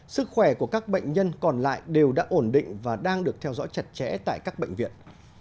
sức khỏe của các bệnh nhân còn lại đều đã ổn định và đang được theo dõi chặt chẽ tại các bệnh viện